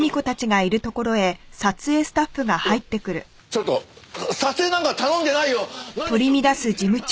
いやちょっと撮影なんか頼んでないよ！